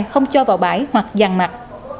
không cho vào bãi hoặc giàn mặt